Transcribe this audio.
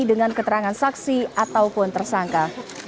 dengan keterangan saksi ataupun tersangka